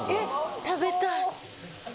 食べたい。